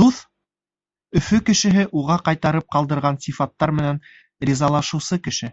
Дуҫ — Өфө кешеһе уға ҡайтарып ҡалдырған сифаттар менән ризалашыусы кеше.